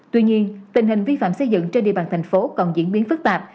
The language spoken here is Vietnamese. tuy nhiên tình hình vi phạm xây dựng trên địa bàn thành phố còn diễn biến phức tạp